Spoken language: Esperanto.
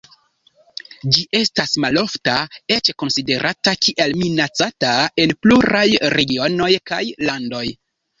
Ĝi estas malofta, eĉ konsiderata kiel minacata en pluraj regionoj kaj landoj.